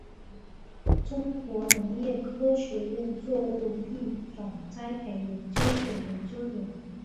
中国农业科学院作物育种栽培研究所研究员。